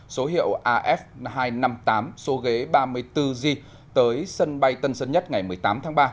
số hiệu af hai trăm năm mươi tám số ghế ba mươi bốn g tới sân bay tân sơn nhất ngày một mươi tám tháng ba